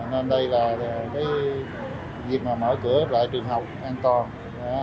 nên đây là cái việc mà mở cửa lại trường học an toàn